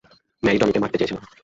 Mary টমিকে মারতে চেয়েছিল।